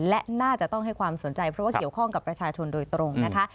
และน่าจะต้องให้ความสนใจเพราะว่าเกี่ยวข้องกับประชาชนโดยตรงนะคะ